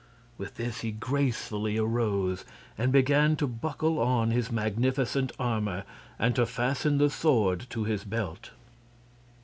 With this he gracefully arose and began to buckle on his magnificent armor and to fasten the sword to his belt.